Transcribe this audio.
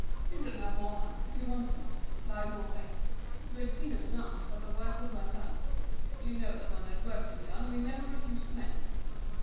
"You shall have more hands if you want them," replied Mouret, who had seen at a glance that the work was well done. "You know that when there's work to be done we never refuse the men."